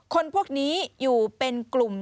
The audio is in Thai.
คนพวกนี้อยู่เป็นกลุ่ม